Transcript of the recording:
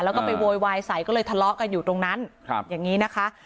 แล้วก็ไปโวยวายใส่ก็เลยทะเลาะกันอยู่ตรงนั้นอย่างนี้นะคะ